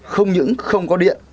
không những không có điện